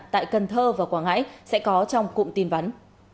tại cần thơ và quảng ngãi sẽ có trong cụm tin vắn